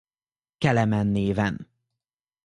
Kelemen néven.